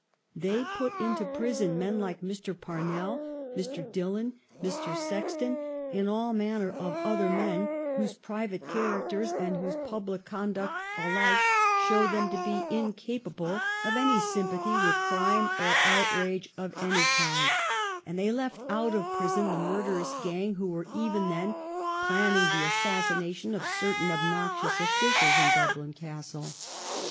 They put into prison men like Mr. Parnell, Mr. Dillon, Mr. Sexton, and all manner of other men whose private characters and whose public conduct alike showed them to be incapable of 344 THE STORY OF GLADSTONE'S LIFE any sympathy with crinit! or oiurage of any kind, and they left out of prison tliL' murderous gang who were even then planning the assassination of certain obnoxious officials in Dublin Castle.